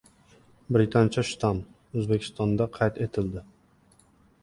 «Britancha shtamm» O‘zbekistonda qayd etildi